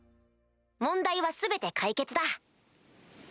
問題は全て解決だ。